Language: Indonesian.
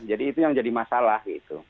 jadi itu yang jadi masalah gitu